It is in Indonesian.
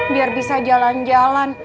biar bisa jalan jalan